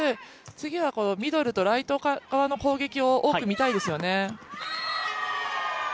次はミドルとライト側の攻撃を多く見たいですよね。